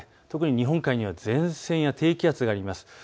特に日本海には前線や低気圧があります。